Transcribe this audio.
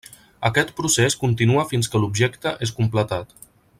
Aquest procés continua fins que l'objecte és completat.